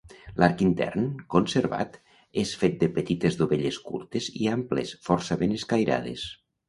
L'arc intern, conservat, és fet de petites dovelles curtes i amples, força ben escairades.